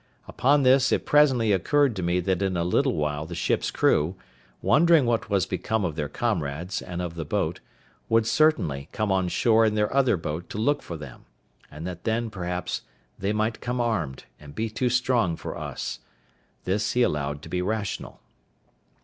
Upon this, it presently occurred to me that in a little while the ship's crew, wondering what was become of their comrades and of the boat, would certainly come on shore in their other boat to look for them, and that then, perhaps, they might come armed, and be too strong for us: this he allowed to be rational.